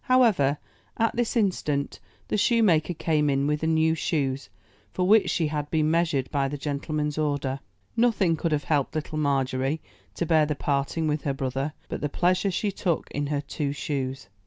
However, at this instant, the shoemaker came in with the new shoes, for which she had been measured by the gen tleman's order. Nothing could have helped Little Margery to bear the parting with her brother but the pleasure she took in her two shoes.